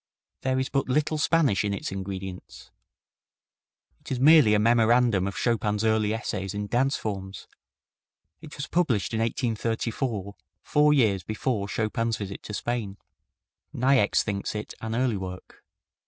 There is but little Spanish in its ingredients. It is merely a memorandum of Chopin's early essays in dance forms. It was published in 1834, four years before Chopin's visit to Spain. Niecks thinks it an early work.